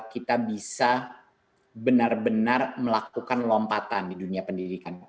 kita bisa benar benar melakukan lompatan di dunia pendidikan